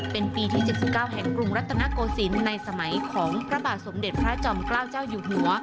เป็นปีที่๗๙แห่งกรุงรัตนโกศิลป์ในสมัยของพระบาทสมเด็จพระจอมเกล้าเจ้าอยู่หัว